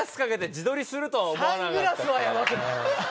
サングラスはヤバくない？